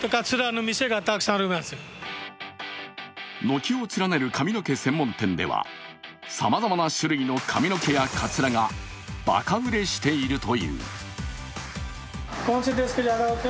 軒を連ねる髪の毛専門店では、さまざまな種類の髪の毛やかつらがバカ売れしているという。